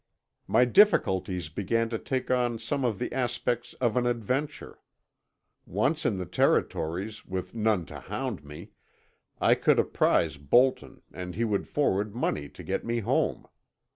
My difficulties began to take on some of the aspects of an adventure. Once in the Territories, with none to hound me, I could apprise Bolton and he would forward money to get me home.